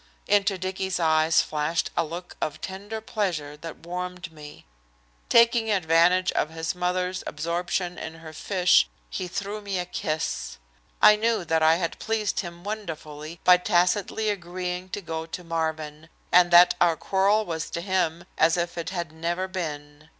Into Dicky's eyes flashed a look of tender pleasure that warmed me. Taking advantage of his mother's absorption in her fish he threw me a kiss. I knew that I had pleased him wonderfully by tacitly agreeing to go to Marvin, and that our quarrel was to him as if it had never been.